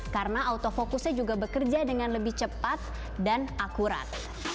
karena autofocusnya juga bekerja dengan lebih cepat dan akurat